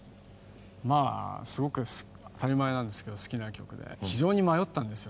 まあすごく当たり前なんですけど好きな曲で非常に迷ったんですよ